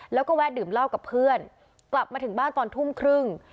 แล้วก็แวะดื่มเหล้ากับเพื่อนกลับมาถึงบ้านตอนทุ่มครึ่ง